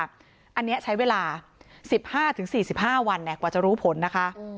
อันนี้ใช้เวลา๑๕๔๕วันกว่าจะรู้ผลนะคะ